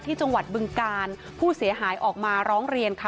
จังหวัดบึงกาลผู้เสียหายออกมาร้องเรียนค่ะ